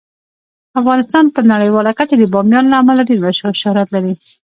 افغانستان په نړیواله کچه د بامیان له امله ډیر شهرت لري.